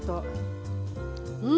うん！